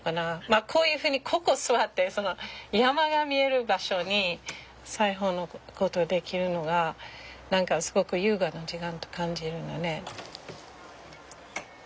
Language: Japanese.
まあこういうふうにここ座って山が見える場所に裁縫のことできるのが何かすごく優雅な時間と感じるのね。